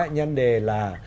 nhân đề là